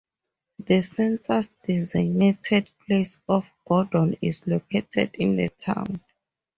The census-designated place of Gordon is located in the town.